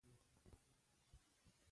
ولې په دي روغتون کې ښځېنه ډاکټره نسته ؟